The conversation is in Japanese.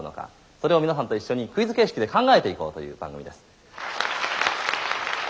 それを皆さんと一緒にクイズ形式で考えていこうという番組です。